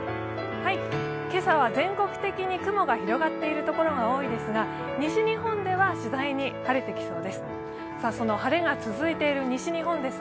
今朝は全国的に雲が広がっているところが多いですが西日本では次第に晴れてきそうです。